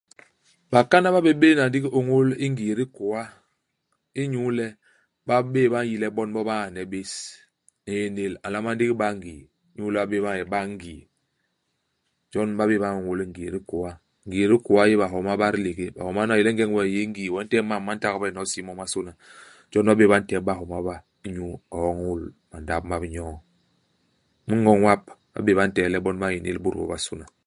Bakana ba bé béna ndigi ôñôl i ngii i dikôa inyu le ba bé'é ba n'yi le bon bo ba ñane bés. Ñénél a nlama ndigi ba i ngii. Inyu le ba bé'é ba ñee ba i ngii, jon ba bé'é ba ñôñôl i ngii i dikôa. Ngii i dikôa i yé bahoma ba dilégé, homa nu a yé le ingeñ we u yé i ngii, we u ntehe mam ma ntagbe nyono i si momasôna. Jon ba bé'é ba ntep ibahoma ba inyu iôñôl mandap map nyo'o. Imiño ñwap, ba bé'é ba ntehe le bon ba ñénél bôt bobasôna.